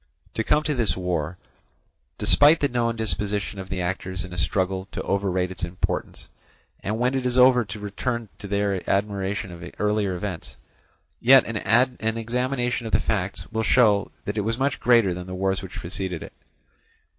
To come to this war: despite the known disposition of the actors in a struggle to overrate its importance, and when it is over to return to their admiration of earlier events, yet an examination of the facts will show that it was much greater than the wars which preceded it.